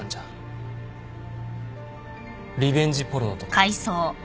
リベンジポルノとか。